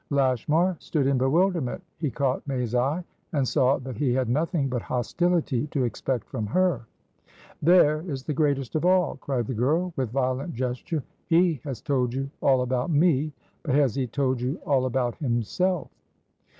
Lashmar stood in bewilderment. He caught May's eye, and saw that he had nothing but hostility to expect from her. "There is the greatest of all!" cried the girl, with violent gesture. "He has told you all about me, but has he told you all about himself?"